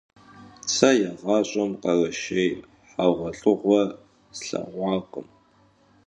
Se yiğaş'em khereşşêy heğuelh'ığue slheğuakhım.